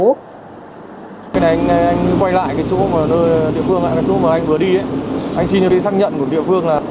anh quay lại chỗ mà anh vừa đi anh xin cho tôi xác nhận của địa phương là